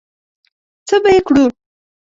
څه به یې کړو؟